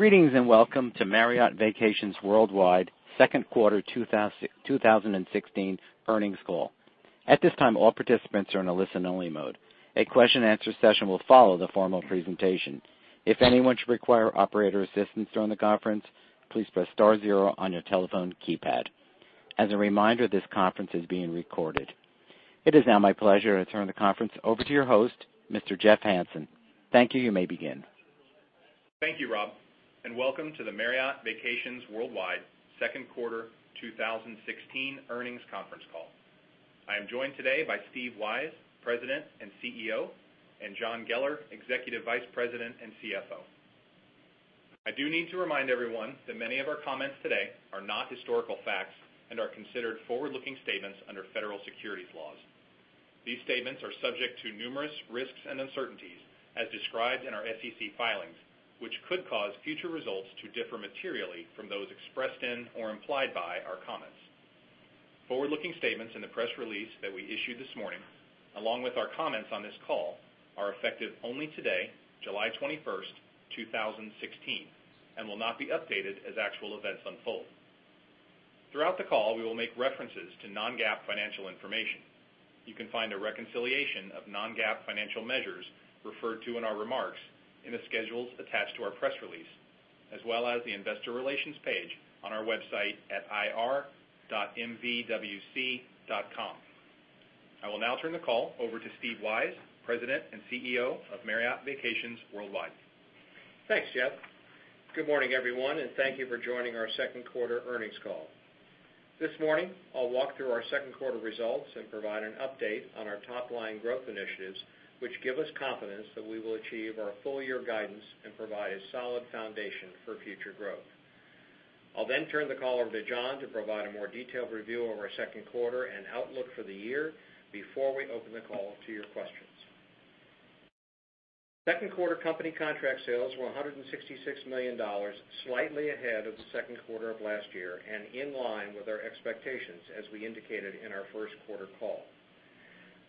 Greetings, welcome to Marriott Vacations Worldwide second quarter 2016 earnings call. At this time, all participants are in a listen-only mode. A question and answer session will follow the formal presentation. If anyone should require operator assistance during the conference, please press star zero on your telephone keypad. As a reminder, this conference is being recorded. It is now my pleasure to turn the conference over to your host, Mr. Jeff Hansen. Thank you. You may begin. Thank you, Rob, welcome to the Marriott Vacations Worldwide second quarter 2016 earnings conference call. I am joined today by Steve Weisz, President and CEO, John Geller, Executive Vice President and CFO. I do need to remind everyone that many of our comments today are not historical facts and are considered forward-looking statements under federal securities laws. These statements are subject to numerous risks and uncertainties as described in our SEC filings, which could cause future results to differ materially from those expressed in or implied by our comments. Forward-looking statements in the press release that we issued this morning, along with our comments on this call, are effective only today, July 21, 2016, and will not be updated as actual events unfold. Throughout the call, we will make references to non-GAAP financial information. You can find a reconciliation of non-GAAP financial measures referred to in our remarks in the schedules attached to our press release, as well as the investor relations page on our website at ir.mvwc.com. I will now turn the call over to Steve Weisz, President and CEO of Marriott Vacations Worldwide. Thanks, Jeff. Good morning, everyone, thank you for joining our second quarter earnings call. This morning, I'll walk through our second quarter results and provide an update on our top-line growth initiatives, which give us confidence that we will achieve our full-year guidance and provide a solid foundation for future growth. I'll then turn the call over to John to provide a more detailed review of our second quarter and outlook for the year before we open the call to your questions. Second quarter company contract sales were $166 million, slightly ahead of the second quarter of last year and in line with our expectations as we indicated in our first quarter call.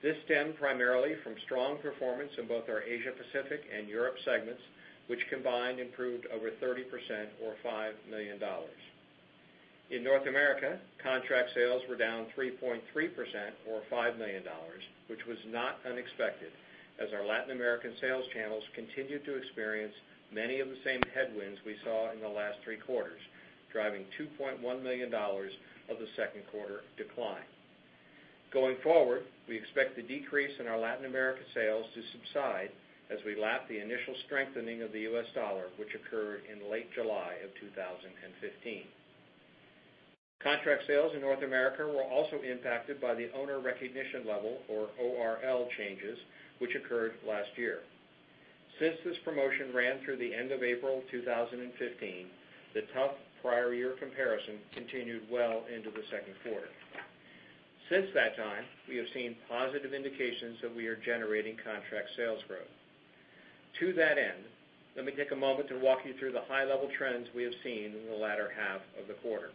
This stemmed primarily from strong performance in both our Asia Pacific and Europe segments, which combined improved over 30% or $5 million. In North America, contract sales were down 3.3% or $5 million, which was not unexpected, as our Latin American sales channels continued to experience many of the same headwinds we saw in the last three quarters, driving $2.1 million of the second quarter decline. Going forward, we expect the decrease in our Latin America sales to subside as we lap the initial strengthening of the U.S. dollar, which occurred in late July of 2015. Contract sales in North America were also impacted by the owner recognition level, or ORL, changes which occurred last year. Since this promotion ran through the end of April 2015, the tough prior year comparison continued well into the second quarter. Since that time, we have seen positive indications that we are generating contract sales growth. To that end, let me take a moment to walk you through the high-level trends we have seen in the latter half of the quarter.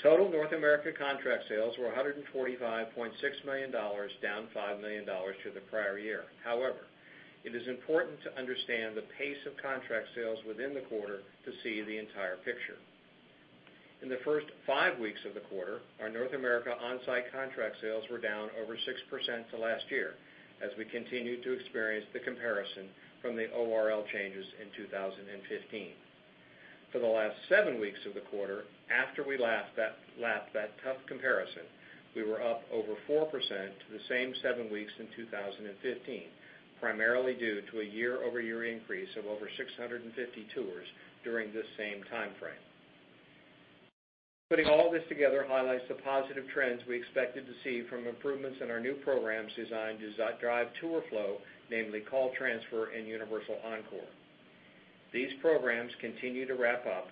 Total North America contract sales were $145.6 million, down $5 million to the prior year. It is important to understand the pace of contract sales within the quarter to see the entire picture. In the first five weeks of the quarter, our North America on-site contract sales were down over 6% to last year as we continued to experience the comparison from the ORL changes in 2015. For the last seven weeks of the quarter after we lapped that tough comparison, we were up over 4% to the same seven weeks in 2015, primarily due to a year-over-year increase of over 650 tours during this same timeframe. Putting all this together highlights the positive trends we expected to see from improvements in our new programs designed to drive tour flow, namely call transfer and Universal Encore. These programs continue to ramp up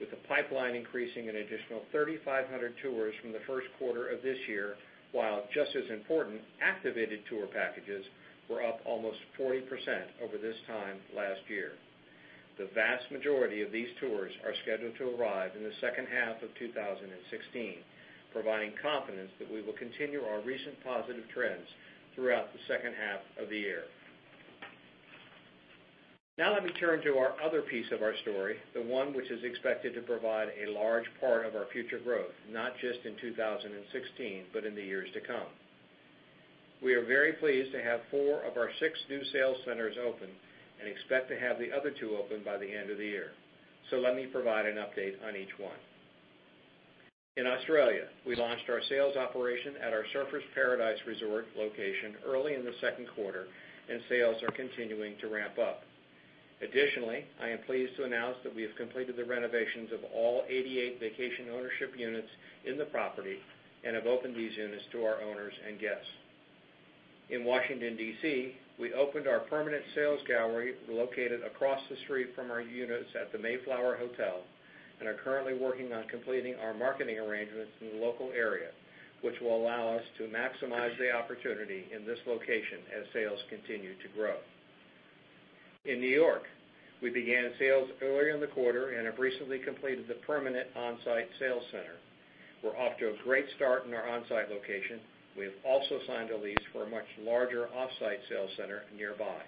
with the pipeline increasing an additional 3,500 tours from the first quarter of this year, while just as important, activated tour packages were up almost 40% over this time last year. The vast majority of these tours are scheduled to arrive in the second half of 2016, providing confidence that we will continue our recent positive trends throughout the second half of the year. Let me turn to our other piece of our story, the one which is expected to provide a large part of our future growth, not just in 2016, but in the years to come. We are very pleased to have four of our six new sales centers open and expect to have the other two open by the end of the year. Let me provide an update on each one. In Australia, we launched our sales operation at our Surfers Paradise Resort location early in the second quarter, and sales are continuing to ramp up. Additionally, I am pleased to announce that we have completed the renovations of all 88 vacation ownership units in the property and have opened these units to our owners and guests. In Washington, D.C., we opened our permanent sales gallery located across the street from our units at the Mayflower Hotel and are currently working on completing our marketing arrangements in the local area, which will allow us to maximize the opportunity in this location as sales continue to grow. In N.Y., we began sales early in the quarter and have recently completed the permanent on-site sales center. We are off to a great start in our on-site location. We have also signed a lease for a much larger off-site sales center nearby.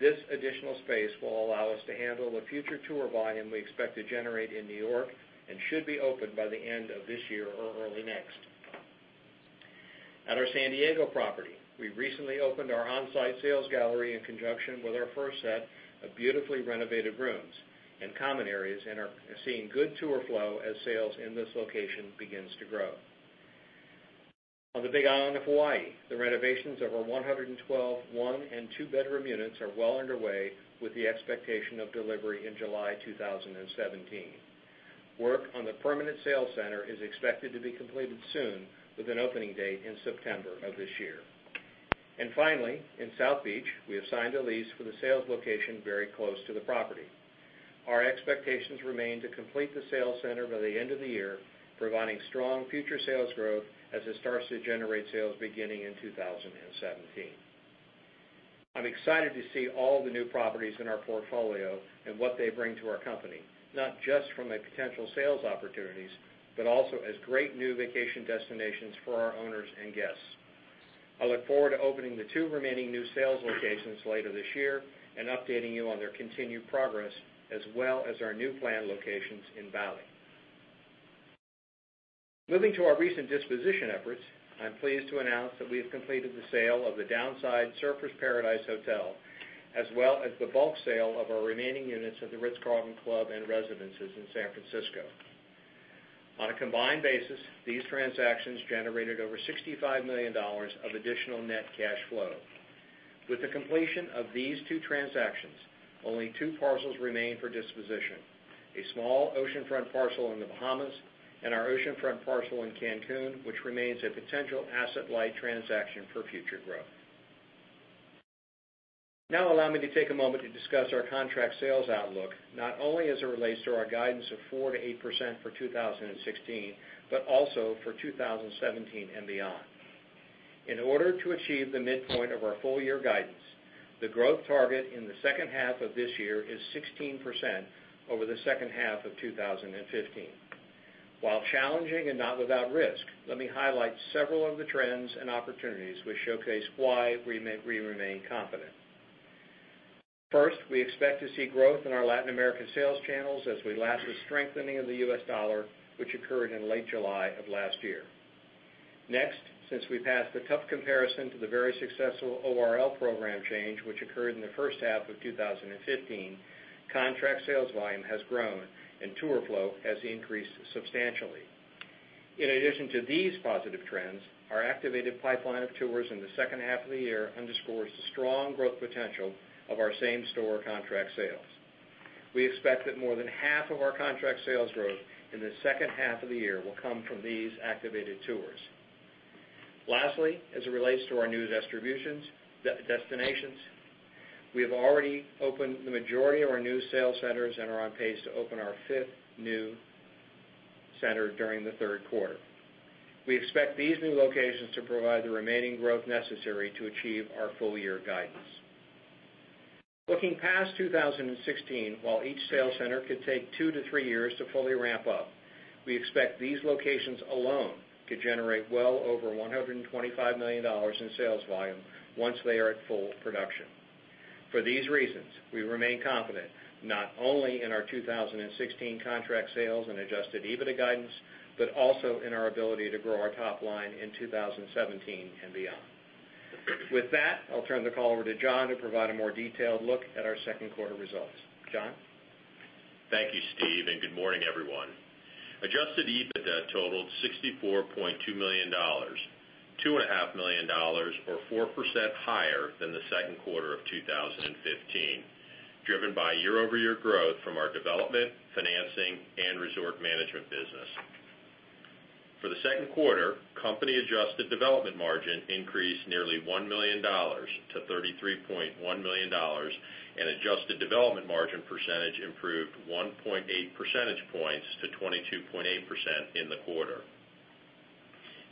This additional space will allow us to handle the future tour volume we expect to generate in N.Y. and should be open by the end of this year or early next. At our San Diego property, we recently opened our on-site sales gallery in conjunction with our first set of beautifully renovated rooms and common areas and are seeing good tour flow as sales in this location begins to grow. On the Big Island of Hawaii, the renovations of our 112 one and two-bedroom units are well underway, with the expectation of delivery in July 2017. Finally, in South Beach, we have signed a lease for the sales location very close to the property. Our expectations remain to complete the sales center by the end of the year, providing strong future sales growth as it starts to generate sales beginning in 2017. I'm excited to see all the new properties in our portfolio and what they bring to our company, not just from the potential sales opportunities, but also as great new vacation destinations for our owners and guests. I look forward to opening the two remaining new sales locations later this year and updating you on their continued progress, as well as our new planned locations in Bali. Moving to our recent disposition efforts, I'm pleased to announce that we have completed the sale of the Surfers Paradise Marriott Resort & Spa, as well as the bulk sale of our remaining units at The Ritz-Carlton Club and Residences in San Francisco. On a combined basis, these transactions generated over $65 million of additional net cash flow. With the completion of these two transactions, only two parcels remain for disposition: a small oceanfront parcel in the Bahamas and our oceanfront parcel in Cancun, which remains a potential asset-light transaction for future growth. Allow me to take a moment to discuss our contract sales outlook, not only as it relates to our guidance of 4%-8% for 2016, but also for 2017 and beyond. In order to achieve the midpoint of our full-year guidance, the growth target in the second half of this year is 16% over the second half of 2015. While challenging and not without risk, let me highlight several of the trends and opportunities which showcase why we remain confident. First, we expect to see growth in our Latin American sales channels as we lap the strengthening of the US dollar, which occurred in late July of last year. Next, since we passed the tough comparison to the very successful ORL program change, which occurred in the first half of 2015, contract sales volume has grown and tour flow has increased substantially. In addition to these positive trends, our activated pipeline of tours in the second half of the year underscores the strong growth potential of our same-store contract sales. We expect that more than half of our contract sales growth in the second half of the year will come from these activated tours. Lastly, as it relates to our new destinations, we have already opened the majority of our new sales centers and are on pace to open our fifth new center during the third quarter. We expect these new locations to provide the remaining growth necessary to achieve our full-year guidance. Looking past 2016, while each sales center could take two to three years to fully ramp up, we expect these locations alone to generate well over $125 million in sales volume once they are at full production. For these reasons, we remain confident not only in our 2016 contract sales and adjusted EBITDA guidance but also in our ability to grow our top line in 2017 and beyond. With that, I'll turn the call over to John to provide a more detailed look at our second quarter results. John? Thank you, Steve, and good morning, everyone. Adjusted EBITDA totaled $64.2 million, $2.5 million or 4% higher than the second quarter of 2015, driven by year-over-year growth from our development, financing, and resort management business. For the second quarter, company-adjusted development margin increased nearly $1 million to $33.1 million, and adjusted development margin percentage improved 1.8 percentage points to 22.8% in the quarter.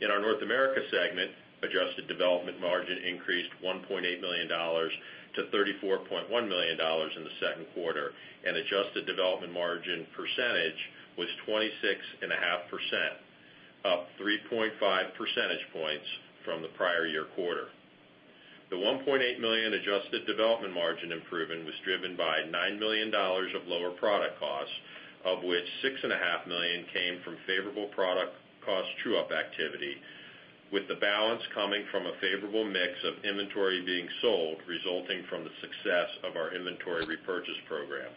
In our North America segment, adjusted development margin increased $1.8 million to $34.1 million in the second quarter, and adjusted development margin percentage was 26.5%, up 3.5 percentage points from the prior year quarter. The $1.8 million adjusted development margin improvement was driven by $9 million of lower product costs, of which $6.5 million came from favorable product cost true-up activity, with the balance coming from a favorable mix of inventory being sold resulting from the success of our inventory repurchase program.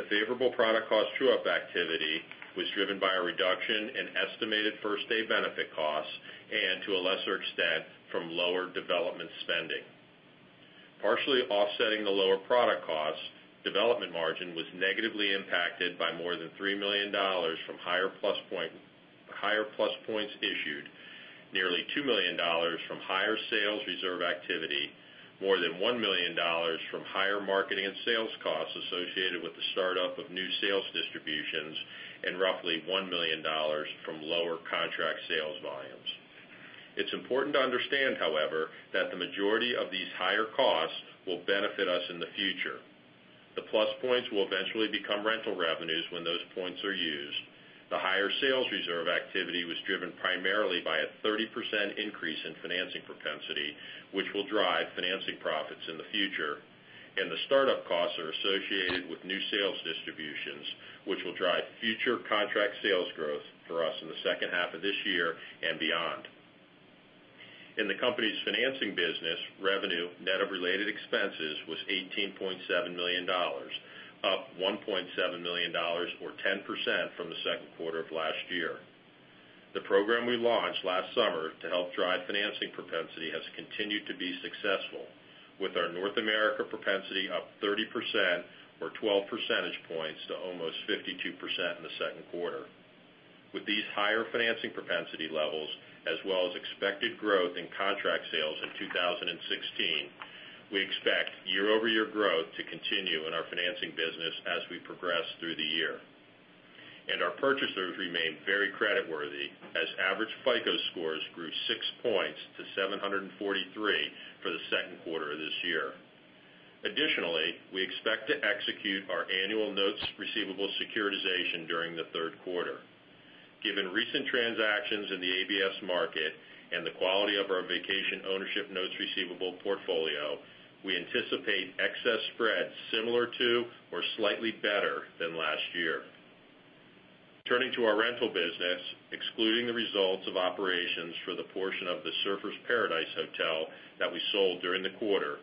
The favorable product cost true-up activity was driven by a reduction in estimated first-day benefit costs and, to a lesser extent, from lower development spending. Partially offsetting the lower product costs, development margin was negatively impacted by more than $3 million from higher Plus Points issued, nearly $2 million from higher sales reserve activity, more than $1 million from higher marketing and sales costs associated with the startup of new sales distributions, and roughly $1 million from lower contract sales volume. It's important to understand, however, that the majority of these higher costs will benefit us in the future. The Plus Points will eventually become rental revenues when those points are used. The higher sales reserve activity was driven primarily by a 30% increase in financing propensity, which will drive financing profits in the future. The startup costs are associated with new sales distributions, which will drive future contract sales growth for us in the second half of this year and beyond. In the company's financing business, revenue net of related expenses was $18.7 million, up $1.7 million or 10% from the second quarter of last year. The program we launched last summer to help drive financing propensity has continued to be successful with our North America propensity up 30% or 12 percentage points to almost 52% in the second quarter. With these higher financing propensity levels, as well as expected growth in contract sales in 2016, we expect year-over-year growth to continue in our financing business as we progress through the year. Our purchasers remain very creditworthy as average FICO scores grew six points to 743 for the second quarter of this year. Additionally, we expect to execute our annual notes receivable securitization during the third quarter. Given recent transactions in the ABS market and the quality of our vacation ownership notes receivable portfolio, we anticipate excess spread similar to or slightly better than last year. Turning to our rental business, excluding the results of operations for the portion of the Surfers Paradise Marriott Resort & Spa that we sold during the quarter,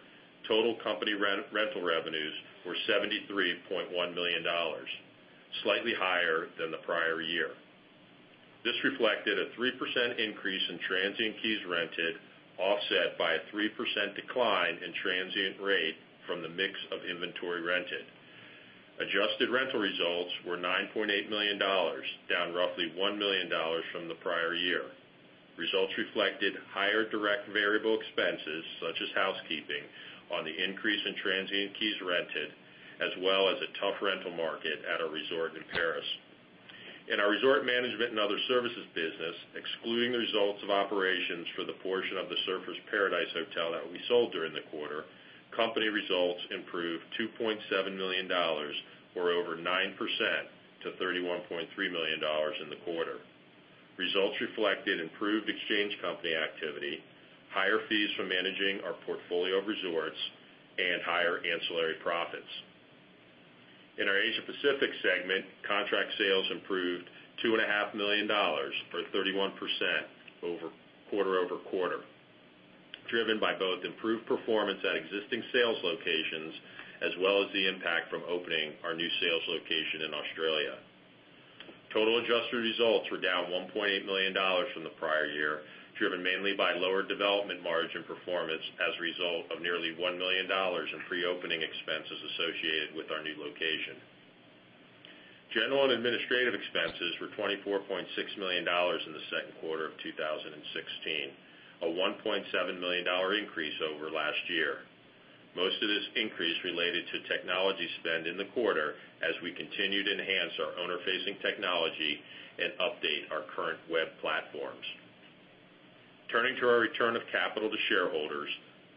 total company rental revenues were $73.1 million, slightly higher than the prior year. This reflected a 3% increase in transient keys rented, offset by a 3% decline in transient rate from the mix of inventory rented. Adjusted rental results were $9.8 million, down roughly $1 million from the prior year. Results reflected higher direct variable expenses such as housekeeping on the increase in transient keys rented, as well as a tough rental market at our resort in Paris. In our resort management and other services business, excluding the results of operations for the portion of the Surfers Paradise Marriott Resort & Spa that we sold during the quarter, company results improved $2.7 million or over 9% to $31.3 million in the quarter. Results reflected improved exchange company activity, higher fees for managing our portfolio of resorts, and higher ancillary profits. In our Asia Pacific segment, contract sales improved $2.5 million or 31% quarter-over-quarter, driven by both improved performance at existing sales locations as well as the impact from opening our new sales location in Australia. Total adjusted results were down $1.8 million from the prior year, driven mainly by lower development margin performance as a result of nearly $1 million in pre-opening expenses associated with our new location. General and administrative expenses were $24.6 million in the second quarter of 2016, a $1.7 million increase over last year. Most of this increase related to technology spend in the quarter as we continued to enhance our owner-facing technology and update our current web platforms. Turning to our return of capital to shareholders,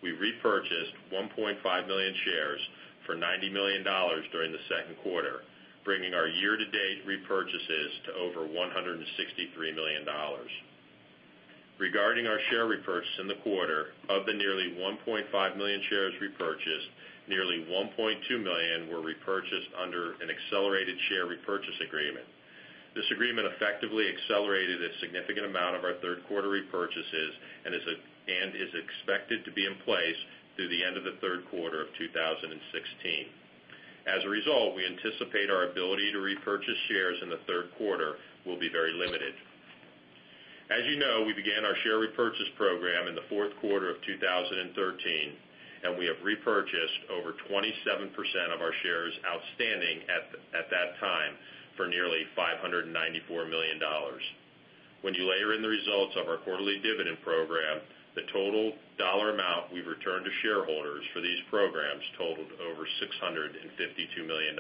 we repurchased 1.5 million shares for $90 million during the second quarter, bringing our year-to-date repurchases to over $163 million. Regarding our share repurchase in the quarter, of the nearly 1.5 million shares repurchased, nearly 1.2 million were repurchased under an accelerated share repurchase agreement. This agreement effectively accelerated a significant amount of our third-quarter repurchases and is expected to be in place through the end of the third quarter of 2016. As a result, we anticipate our ability to repurchase shares in the third quarter will be very limited. As you know, we began our share repurchase program in the fourth quarter of 2013. We have repurchased over 27% of our shares outstanding at that time for nearly $594 million. When you layer in the results of our quarterly dividend program, the total dollar amount we've returned to shareholders for these programs totaled over $652 million.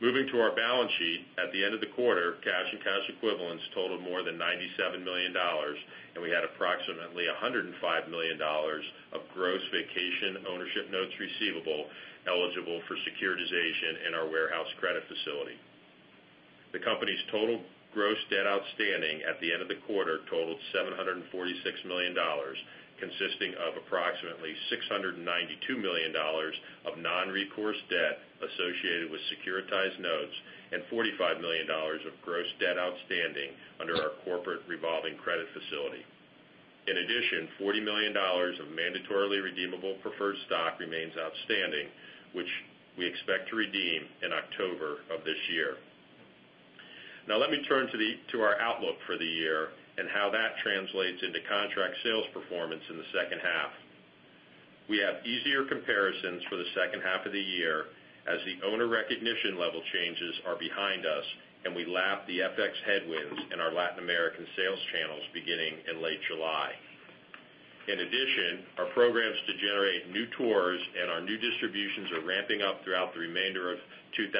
Moving to our balance sheet, at the end of the quarter, cash and cash equivalents totaled more than $97 million, and we had approximately $105 million of gross vacation ownership notes receivable eligible for securitization in our warehouse credit facility. The company's total gross debt outstanding at the end of the quarter totaled $746 million, consisting of approximately $692 million of non-recourse debt associated with securitized notes and $45 million of gross debt outstanding under our corporate revolving credit facility. In addition, $40 million of mandatorily redeemable preferred stock remains outstanding, which we expect to redeem in October of this year. Let me turn to our outlook for the year and how that translates into contract sales performance in the second half. We have easier comparisons for the second half of the year as the owner recognition level changes are behind us and we lap the FX headwinds in our Latin American sales channels beginning in late July. In addition, our programs to generate new tours and our new distributions are ramping up throughout the remainder of 2016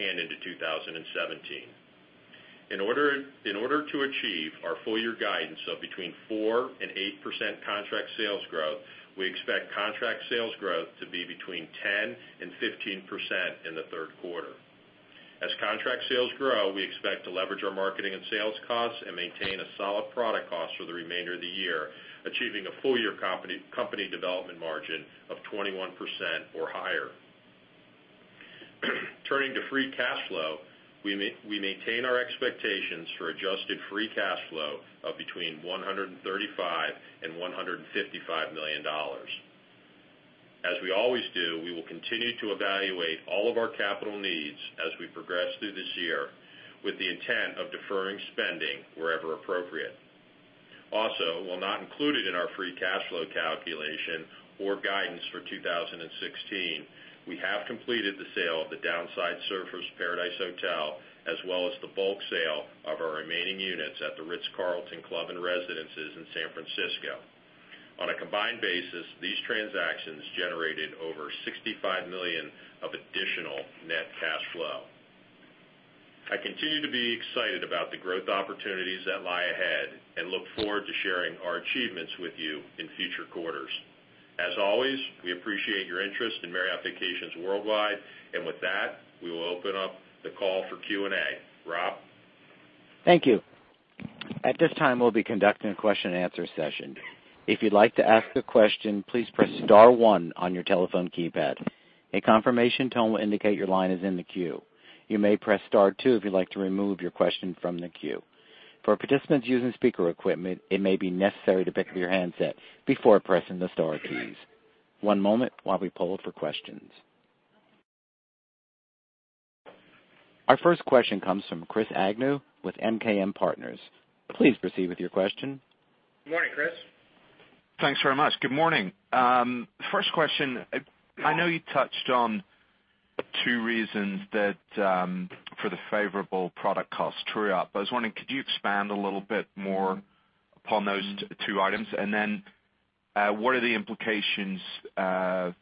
and into 2017. In order to achieve our full year guidance of between 4%-8% contract sales growth, we expect contract sales growth to be between 10%-15% in the third quarter. As contract sales grow, we expect to leverage our marketing and sales costs and maintain a solid product cost for the remainder of the year, achieving a full year company development margin of 21% or higher. Turning to free cash flow, we maintain our expectations for adjusted free cash flow of between $135 million-$155 million. As we always do, we will continue to evaluate all of our capital needs as we progress through this year with the intent of deferring spending wherever appropriate. While not included in our free cash flow calculation or guidance for 2016, we have completed the sale of the Surfers Paradise Marriott Resort & Spa, as well as the bulk sale of our remaining units at The Ritz-Carlton Club and Residences in San Francisco. On a combined basis, these transactions generated over $65 million of additional net cash flow. I continue to be excited about the growth opportunities that lie ahead and look forward to sharing our achievements with you in future quarters. As always, we appreciate your interest in Marriott Vacations Worldwide. With that, we will open up the call for Q&A. Rob? Thank you. At this time, we'll be conducting a question and answer session. If you'd like to ask a question, please press star one on your telephone keypad. A confirmation tone will indicate your line is in the queue. You may press star two if you'd like to remove your question from the queue. For participants using speaker equipment, it may be necessary to pick up your handset before pressing the star keys. One moment while we poll for questions. Our first question comes from Chris Agnew with MKM Partners. Please proceed with your question. Good morning, Chris. Thanks very much. Good morning. First question. I know you touched on two reasons for the favorable product cost true-up. I was wondering, could you expand a little bit more upon those two items? What are the implications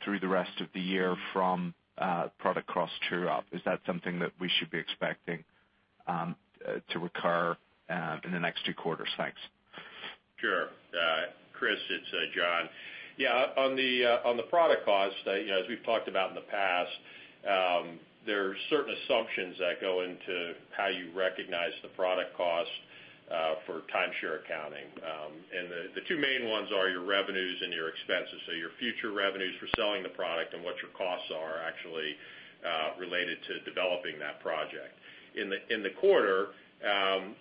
through the rest of the year from product cost true-up? Is that something that we should be expecting to recur in the next two quarters? Thanks. Sure. Chris, it's John. On the product cost, as we've talked about in the past, there are certain assumptions that go into how you recognize the product cost for timeshare accounting. The two main ones are your revenues and your expenses. Your future revenues for selling the product and what your costs are actually related to developing that project. In the quarter,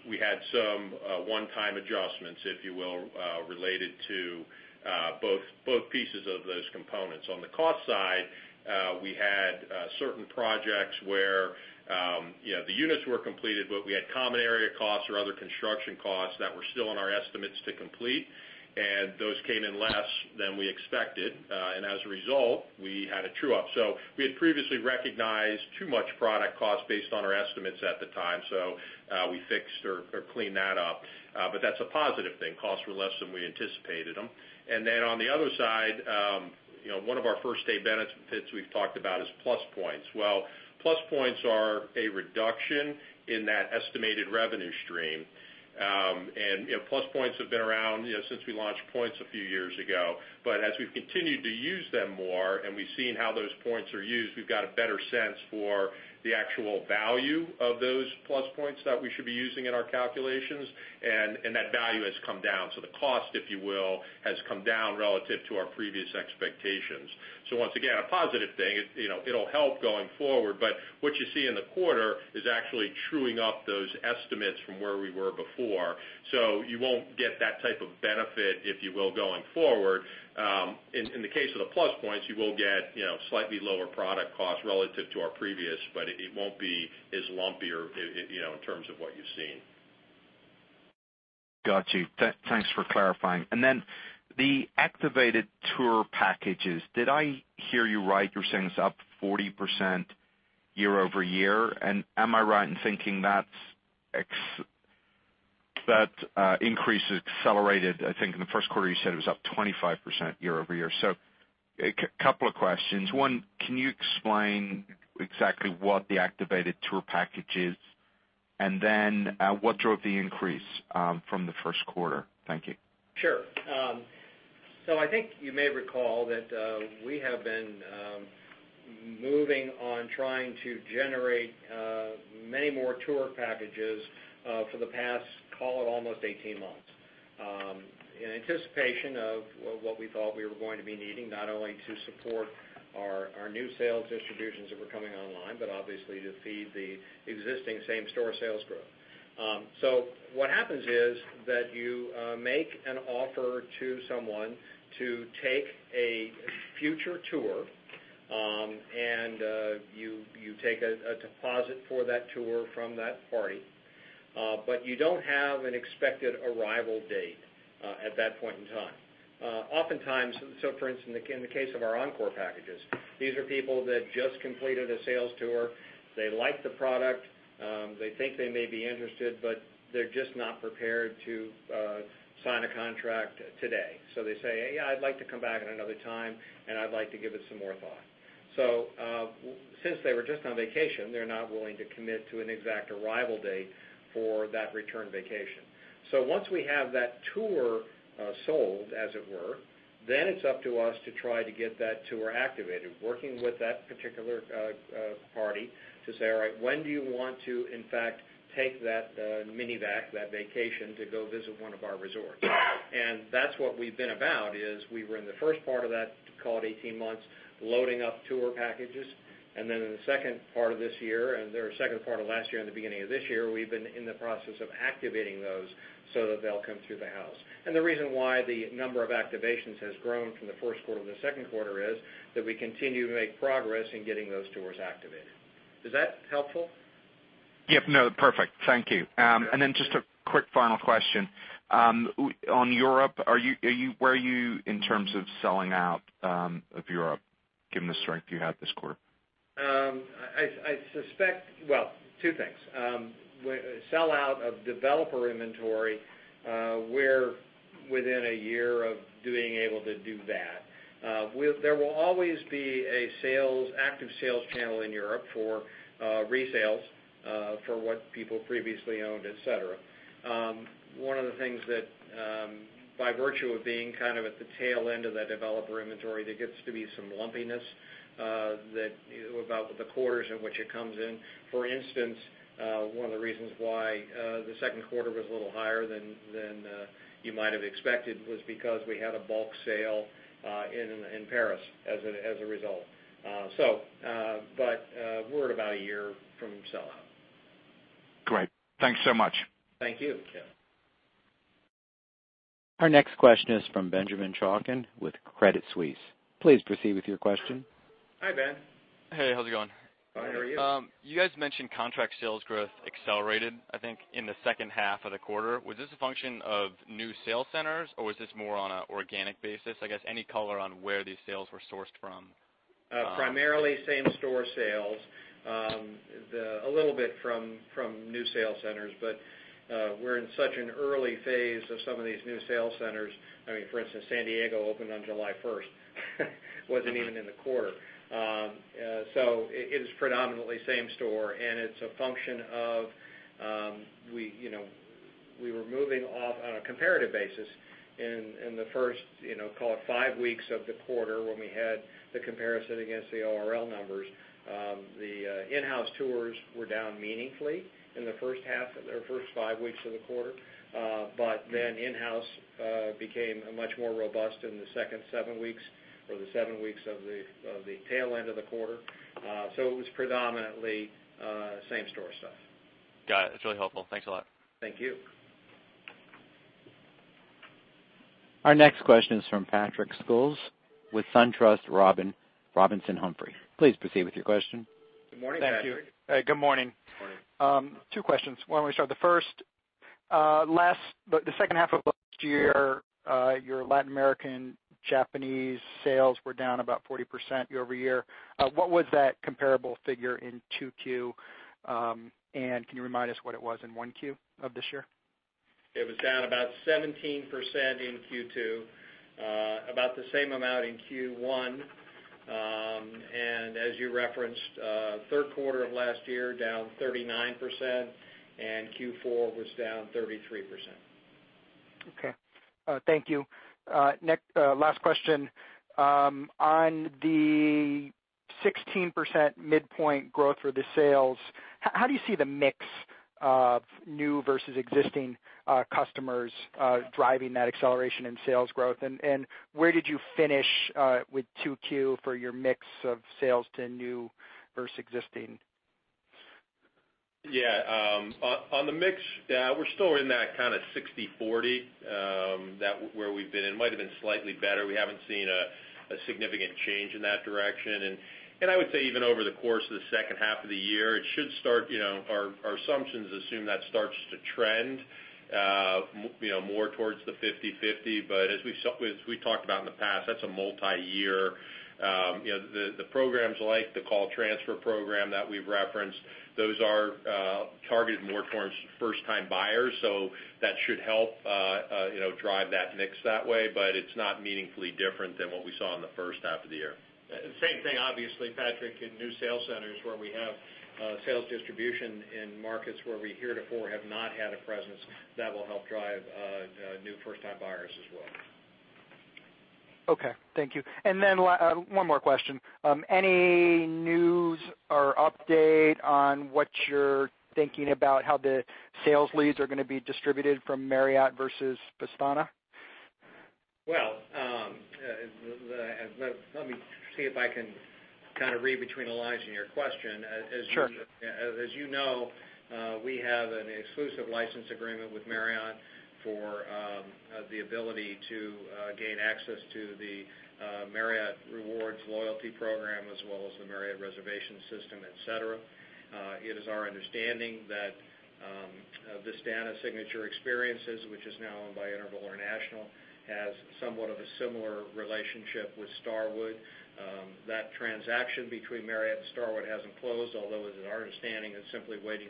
we had some one-time adjustments, if you will, related to both pieces of those components. On the cost side, we had certain projects where the units were completed, we had common area costs or other construction costs that were still in our estimates to complete, and those came in less than we expected. As a result, we had a true-up. We had previously recognized too much product cost based on our estimates at the time. We fixed or cleaned that up. That's a positive thing. Costs were less than we anticipated them. On the other side, one of our first-day benefits we've talked about is Plus Points. Well, Plus Points are a reduction in that estimated revenue stream. Plus Points have been around since we launched Points a few years ago. As we've continued to use them more and we've seen how those points are used, we've got a better sense for the actual value of those Plus Points that we should be using in our calculations, and that value has come down. The cost, if you will, has come down relative to our previous expectations. Once again, a positive thing. It'll help going forward, but what you see in the quarter is actually truing up those estimates from where we were before. You won't get that type of benefit, if you will, going forward. In the case of the Plus Points, you will get slightly lower product costs relative to our previous, it won't be as lumpy in terms of what you've seen. Got you. Thanks for clarifying. The activated tour packages. Did I hear you right? You're saying it's up 40% year-over-year? Am I right in thinking that increase is accelerated? I think in the first quarter, you said it was up 25% year-over-year. A couple of questions. One, can you explain exactly what the activated tour package is? Then, what drove the increase from the first quarter? Thank you. Sure. I think you may recall that we have been moving on trying to generate many more tour packages for the past, call it almost 18 months, in anticipation of what we thought we were going to be needing, not only to support our new sales distributions that were coming online, obviously to feed the existing same-store sales growth. What happens is that you make an offer to someone to take a future tour, you take a deposit for that tour from that party, you don't have an expected arrival date at that point in time Oftentimes, for instance, in the case of our Encore packages, these are people that just completed a sales tour. They like the product, they think they may be interested, but they're just not prepared to sign a contract today. They say, "Yeah, I'd like to come back at another time, and I'd like to give it some more thought." Since they were just on vacation, they're not willing to commit to an exact arrival date for that return vacation. Once we have that tour sold, as it were, then it's up to us to try to get that tour activated, working with that particular party to say, "All right, when do you want to, in fact, take that mini vac, that vacation, to go visit one of our resorts?" That's what we've been about, is we were in the first part of that, call it 18 months, loading up tour packages, then in the second part of this year and the second part of last year and the beginning of this year, we've been in the process of activating those so that they'll come through the house. The reason why the number of activations has grown from the first quarter to the second quarter is that we continue to make progress in getting those tours activated. Is that helpful? Yep, no, perfect. Thank you. Then just a quick final question. On Europe, where are you in terms of selling out of Europe, given the strength you had this quarter? I suspect Well, two things. Sellout of developer inventory, we're within a year of being able to do that. There will always be an active sales channel in Europe for resales for what people previously owned, et cetera. One of the things that, by virtue of being kind of at the tail end of that developer inventory, there gets to be some lumpiness about the quarters in which it comes in. For instance, one of the reasons why the second quarter was a little higher than you might have expected was because we had a bulk sale in Paris as a result. We're at about a year from sellout. Great. Thanks so much. Thank you. Our next question is from Benjamin Chaiken with Credit Suisse. Please proceed with your question. Hi, Ben. Hey, how's it going? Fine. How are you? You guys mentioned contract sales growth accelerated, I think, in the second half of the quarter. Was this a function of new sales centers, or was this more on an organic basis? I guess, any color on where these sales were sourced from? Primarily same-store sales. A little bit from new sales centers. We're in such an early phase of some of these new sales centers. For instance, San Diego opened on July 1st, wasn't even in the quarter. It is predominantly same-store. It's a function of we were moving off on a comparative basis in the first, call it five weeks of the quarter, when we had the comparison against the ORL numbers. The in-house tours were down meaningfully in the first five weeks of the quarter. In-house became much more robust in the second seven weeks or the seven weeks of the tail end of the quarter. It was predominantly same-store stuff. Got it. That's really helpful. Thanks a lot. Thank you. Our next question is from Patrick Scholes with SunTrust Robinson Humphrey. Please proceed with your question. Good morning, Patrick. Thank you. Good morning. Morning. Two questions. Why don't we start the second half of last year, your Latin American, Japanese sales were down about 40% year-over-year. What was that comparable figure in 2Q, and can you remind us what it was in 1Q of this year? It was down about 17% in Q2, about the same amount in Q1. As you referenced, third quarter of last year, down 39%, Q4 was down 33%. Okay. Thank you. Last question. On the 16% midpoint growth for the sales, how do you see the mix of new versus existing customers driving that acceleration in sales growth? Where did you finish with 2Q for your mix of sales to new versus existing? Yeah. On the mix, we're still in that kind of 60-40, that where we've been. It might've been slightly better. We haven't seen a significant change in that direction. I would say even over the course of the second half of the year, our assumptions assume that starts to trend more towards the 50-50, but as we've talked about in the past, that's a multi-year. The programs like the call transfer program that we've referenced, those are targeted more towards first-time buyers, so that should help drive that mix that way, but it's not meaningfully different than what we saw in the first half of the year. Same thing, obviously, Patrick, in new sales centers where we have sales distribution in markets where we heretofore have not had a presence, that will help drive new first-time buyers as well. Okay. Thank you. Then one more question. Any news or update on what you're thinking about how the sales leads are going to be distributed from Marriott versus Vistana? Well, let me see if I can read between the lines in your question. Sure. As you know, we have an exclusive license agreement with Marriott for the ability to gain access to the Marriott Rewards loyalty program, as well as the Marriott reservation system, et cetera. It is our understanding that Vistana Signature Experiences, which is now owned by Interval International, has somewhat of a similar relationship with Starwood. That transaction between Marriott and Starwood hasn't closed, although it is our understanding it's simply waiting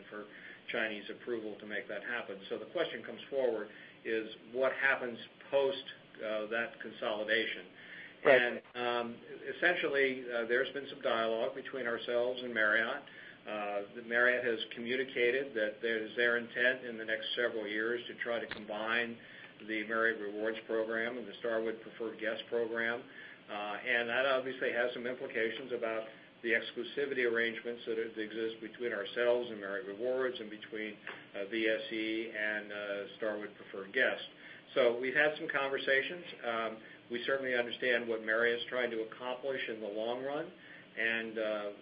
for Chinese approval to make that happen. The question comes forward is, what happens post that consolidation? Right. Essentially, there's been some dialogue between ourselves and Marriott. Marriott has communicated that it is their intent in the next several years to try to combine the Marriott Rewards program and the Starwood Preferred Guest program. That obviously has some implications about the exclusivity arrangements that exist between ourselves and Marriott Rewards and between VSE and Starwood Preferred Guest. We've had some conversations. We certainly understand what Marriott's trying to accomplish in the long run.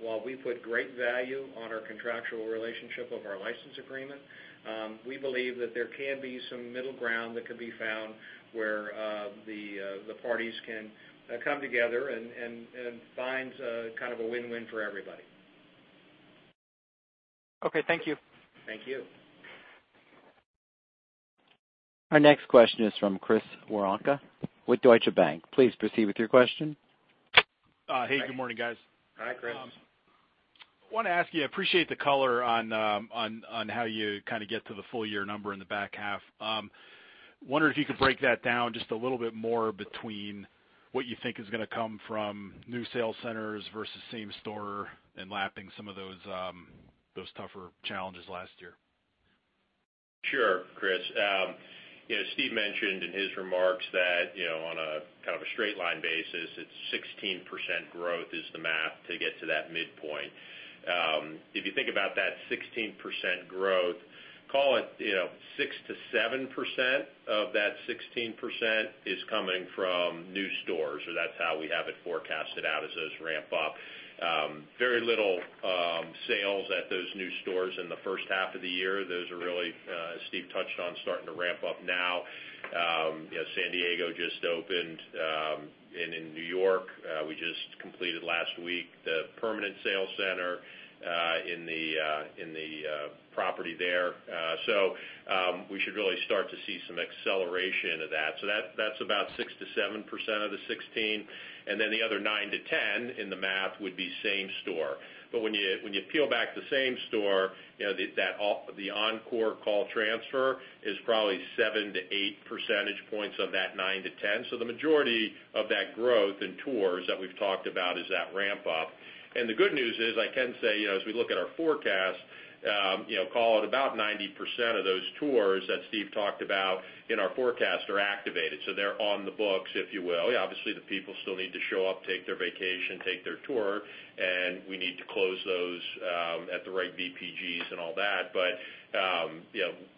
While we put great value on our contractual relationship of our license agreement, we believe that there can be some middle ground that could be found where the parties can come together and find a win-win for everybody. Okay. Thank you. Thank you. Our next question is from Chris Woronka with Deutsche Bank. Please proceed with your question. Hey, good morning, guys. Hi, Chris. I want to ask you, I appreciate the color on how you get to the full year number in the back half. Wondering if you could break that down just a little bit more between what you think is going to come from new sales centers versus same store and lapping some of those tougher challenges last year. Sure, Chris. Steve mentioned in his remarks that on a straight line basis, it's 16% growth is the math to get to that midpoint. If you think about that 16% growth, call it 6%-7% of that 16% is coming from new stores, or that's how we have it forecasted out as those ramp up. Very little sales at those new stores in the first half of the year. Those are really, as Steve touched on, starting to ramp up now. San Diego just opened, and in New York, we just completed last week the permanent sales center in the property there. We should really start to see some acceleration of that. That's about 6%-7% of the 16%, and then the other 9%-10% in the math would be same store. When you peel back the same store, the Encore call transfer is probably seven to eight percentage points of that 9%-10%. The majority of that growth in tours that we've talked about is that ramp up. The good news is I can say, as we look at our forecast, call it about 90% of those tours that Steve talked about in our forecast are activated. They're on the books, if you will. Obviously, the people still need to show up, take their vacation, take their tour, and we need to close those at the right VPGs and all that.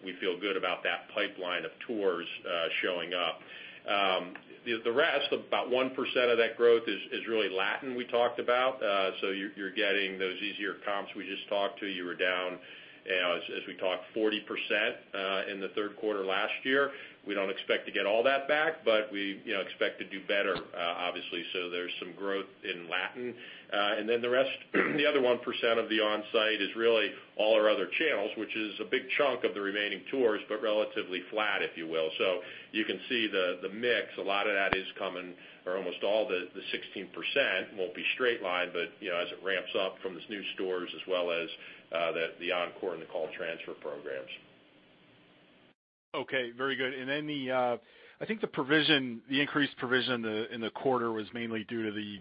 We feel good about that pipeline of tours showing up. The rest, about 1% of that growth is really Latin we talked about. You're getting those easier comps we just talked to. You were down, as we talked, 40% in the third quarter last year. We don't expect to get all that back, but we expect to do better, obviously. There's some growth in Latin. The rest, the other 1% of the onsite is really all our other channels, which is a big chunk of the remaining tours, but relatively flat, if you will. You can see the mix. A lot of that is coming, or almost all the 16% won't be straight line, but as it ramps up from these new stores as well as the Encore and the call transfer programs. Okay, very good. Then I think the increased provision in the quarter was mainly due to the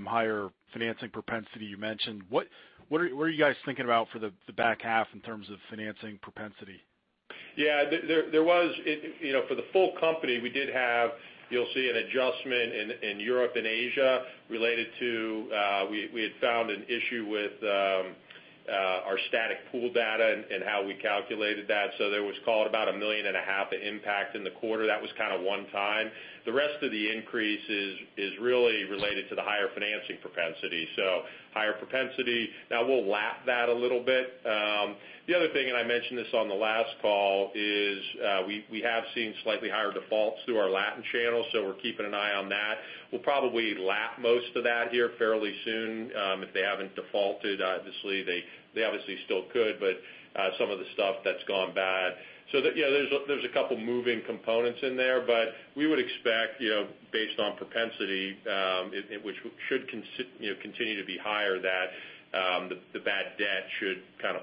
higher financing propensity you mentioned. What are you guys thinking about for the back half in terms of financing propensity? For the full company, we did have, you'll see an adjustment in Europe and Asia related to, we had found an issue with our static pool data and how we calculated that. There was, call it about a million and a half of impact in the quarter. That was one time. The rest of the increase is really related to the higher financing propensity. Higher propensity. Now we'll lap that a little bit. The other thing, and I mentioned this on the last call, is we have seen slightly higher defaults through our Latin channel, so we're keeping an eye on that. We'll probably lap most of that here fairly soon. If they haven't defaulted, they obviously still could, but some of the stuff that's gone bad. There's a couple moving components in there, but we would expect based on propensity, which should continue to be higher, that the bad debt should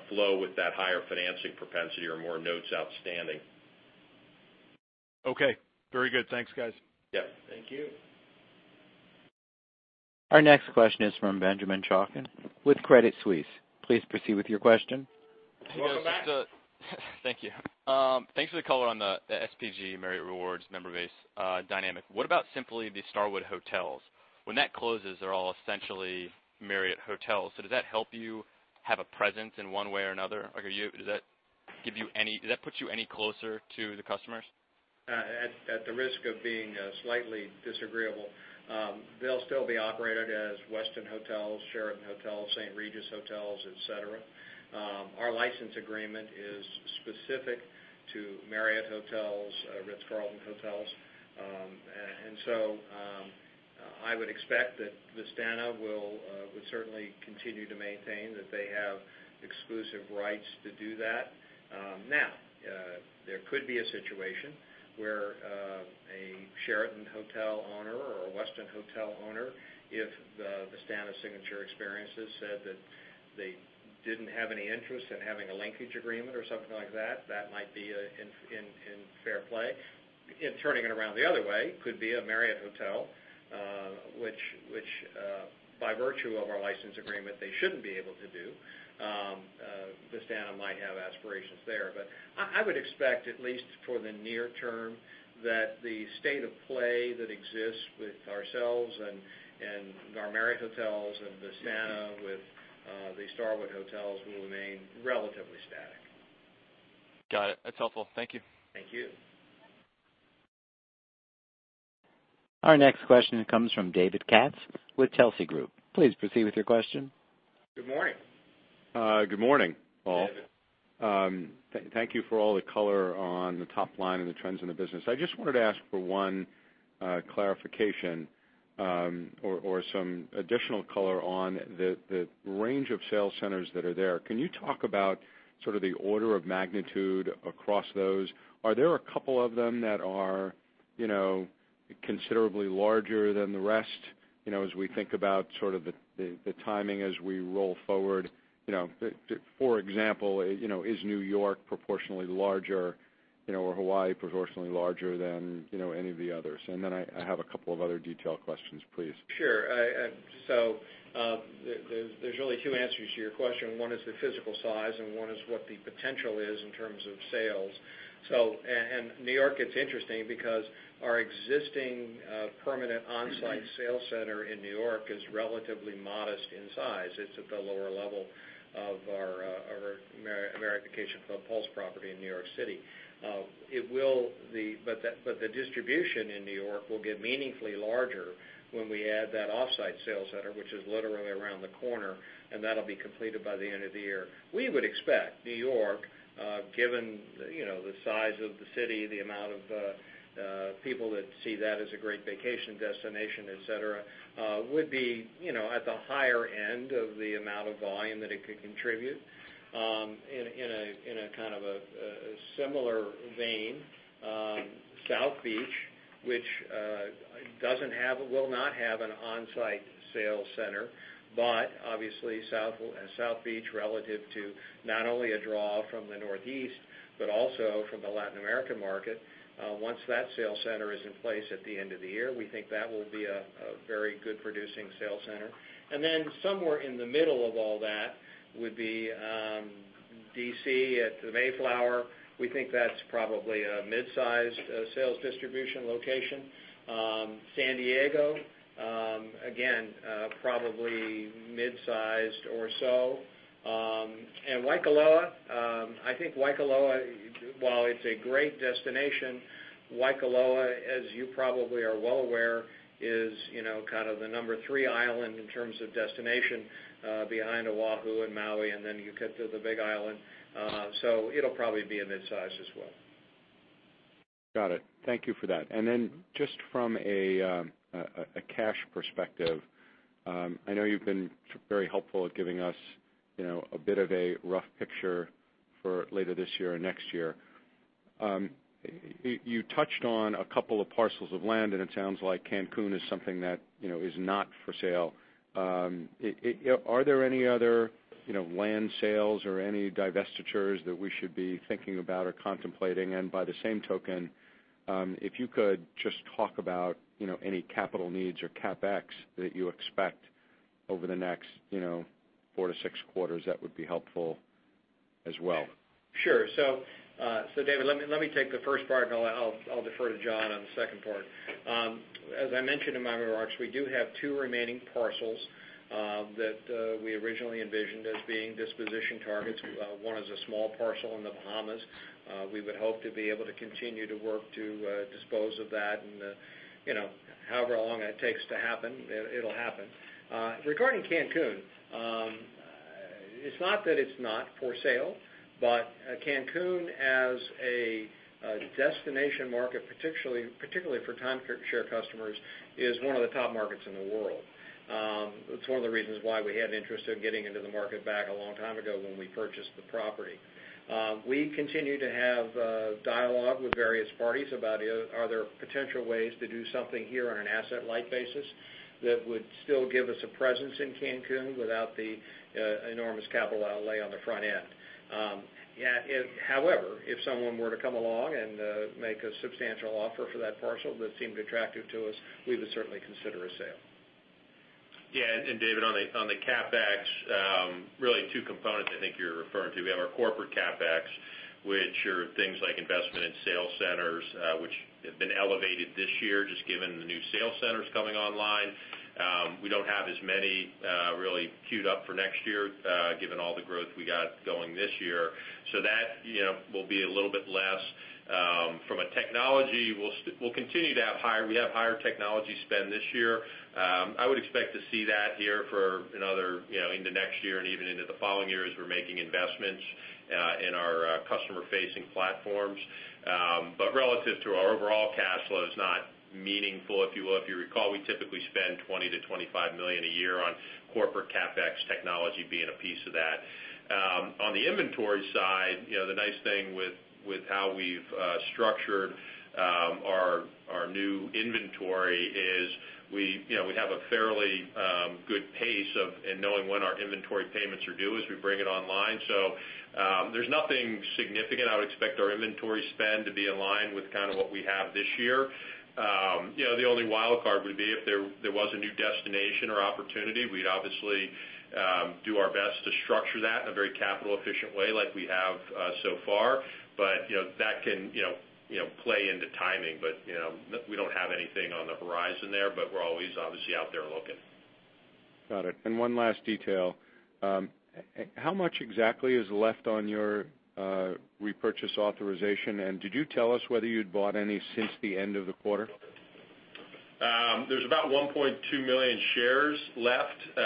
flow with that higher financing propensity or more notes outstanding. Okay. Very good. Thanks, guys. Yep. Thank you. Our next question is from Benjamin Chaiken with Credit Suisse. Please proceed with your question. Welcome back. Thank you. Thanks for the color on the SPG Marriott Rewards member base dynamic. What about simply the Starwood hotels? When that closes, they're all essentially Marriott hotels. Does that help you have a presence in one way or another? Does that put you any closer to the customers? At the risk of being slightly disagreeable, they'll still be operated as Westin Hotels, Sheraton Hotels, St. Regis Hotels, et cetera. Our license agreement is specific to Marriott Hotels, Ritz-Carlton Hotels. I would expect that Vistana would certainly continue to maintain that they have exclusive rights to do that. Now, there could be a situation where a Sheraton hotel owner or a Westin hotel owner, if the Vistana Signature Experiences said that they didn't have any interest in having a linkage agreement or something like that might be in fair play. Turning it around the other way could be a Marriott hotel, which by virtue of our license agreement, they shouldn't be able to do. Vistana might have aspirations there. I would expect, at least for the near term, that the state of play that exists with ourselves and our Marriott hotels and Vistana with the Starwood Hotels will remain relatively static. Got it. That's helpful. Thank you. Thank you. Our next question comes from David Katz with Telsey Advisory Group. Please proceed with your question. Good morning. Good morning, all. David. Thank you for all the color on the top line and the trends in the business. I just wanted to ask for one clarification or some additional color on the range of sales centers that are there. Can you talk about sort of the order of magnitude across those? Are there a couple of them that are considerably larger than the rest as we think about the timing as we roll forward? For example, is New York proportionally larger or Hawaii proportionally larger than any of the others? Then I have a couple of other detail questions, please. Sure. There's really two answers to your question. One is the physical size, and one is what the potential is in terms of sales. New York, it's interesting because our existing permanent on-site sales center in New York is relatively modest in size. It's at the lower level of our Marriott Vacation Club Pulse property in New York City. The distribution in New York will get meaningfully larger when we add that off-site sales center, which is literally around the corner, and that'll be completed by the end of the year. We would expect New York, given the size of the city, the amount of people that see that as a great vacation destination, et cetera, would be at the higher end of the amount of volume that it could contribute. In a kind of a similar vein, South Beach, which will not have an on-site sales center, obviously South Beach relative to not only a draw from the Northeast, but also from the Latin American market, once that sales center is in place at the end of the year, we think that will be a very good producing sales center. Then somewhere in the middle of all that would be D.C. at the Mayflower. We think that's probably a mid-sized sales distribution location. San Diego, again, probably mid-sized or so. Waikoloa, I think Waikoloa, while it's a great destination, Waikoloa, as you probably are well aware, is kind of the number three island in terms of destination behind Oahu and Maui, then you get to the Big Island. It'll probably be a mid-size as well. Got it. Thank you for that. Then just from a cash perspective, I know you've been very helpful at giving us a bit of a rough picture for later this year or next year. You touched on a couple of parcels of land, and it sounds like Cancun is something that is not for sale. Are there any other land sales or any divestitures that we should be thinking about or contemplating? By the same token, if you could just talk about any capital needs or CapEx that you expect over the next four to six quarters, that would be helpful as well. Sure. David, let me take the first part, and I'll defer to John on the second part. As I mentioned in my remarks, we do have two remaining parcels that we originally envisioned as being disposition targets. One is a small parcel in the Bahamas. We would hope to be able to continue to work to dispose of that and however long it takes to happen, it'll happen. Regarding Cancun, it's not that it's not for sale, but Cancun as a destination market, particularly for timeshare customers, is one of the top markets in the world. It's one of the reasons why we had interest in getting into the market back a long time ago when we purchased the property. We continue to have dialogue with various parties about are there potential ways to do something here on an asset-light basis that would still give us a presence in Cancun without the enormous capital outlay on the front end. However, if someone were to come along and make a substantial offer for that parcel that seemed attractive to us, we would certainly consider a sale. Yeah. David, on the CapEx, really two components I think you're referring to. We have our corporate CapEx, which are things like investment in sales centers, which have been elevated this year, just given the new sales centers coming online. We don't have as many really queued up for next year, given all the growth we got going this year. That will be a little bit less. From a technology, we have higher technology spend this year. I would expect to see that here into next year and even into the following year, as we're making investments in our customer-facing platforms. Relative to our overall cash flow is not meaningful. If you recall, we typically spend $20 million-$25 million a year on corporate CapEx, technology being a piece of that. On the inventory side, the nice thing with how we've structured our new inventory is we have a fairly good pace in knowing when our inventory payments are due as we bring it online. There's nothing significant. I would expect our inventory spend to be aligned with what we have this year. The only wild card would be if there was a new destination or opportunity, we'd obviously do our best to structure that in a very capital efficient way like we have so far. That can play into timing. We don't have anything on the horizon there, but we're always obviously out there looking. Got it. One last detail. How much exactly is left on your repurchase authorization, and did you tell us whether you'd bought any since the end of the quarter? There's about 1.2 million shares left.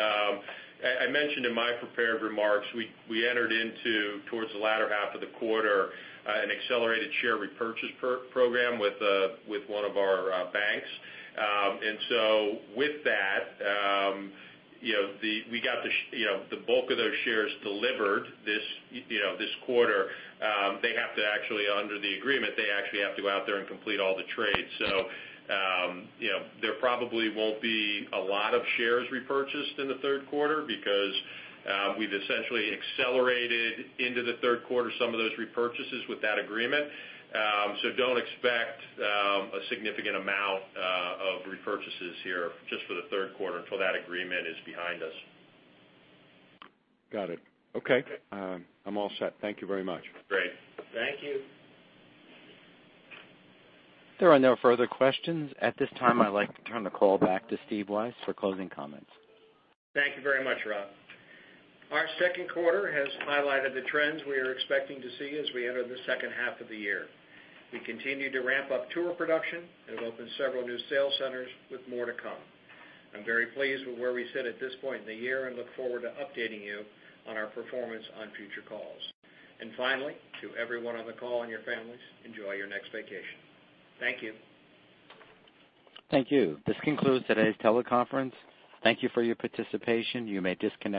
I mentioned in my prepared remarks, we entered into, towards the latter half of the quarter, an accelerated share repurchase program with one of our banks. With that, we got the bulk of those shares delivered this quarter. Under the agreement, they actually have to go out there and complete all the trades. There probably won't be a lot of shares repurchased in the third quarter because we've essentially accelerated into the third quarter some of those repurchases with that agreement. Don't expect a significant amount of repurchases here just for the third quarter until that agreement is behind us. Got it. Okay. I'm all set. Thank you very much. Great. Thank you. There are no further questions. At this time, I'd like to turn the call back to Steve Weisz for closing comments. Thank you very much, Rob. Our second quarter has highlighted the trends we are expecting to see as we enter the second half of the year. We continue to ramp up tour production and have opened several new sales centers with more to come. I'm very pleased with where we sit at this point in the year and look forward to updating you on our performance on future calls. Finally, to everyone on the call and your families, enjoy your next vacation. Thank you. Thank you. This concludes today's teleconference. Thank you for your participation. You may disconnect.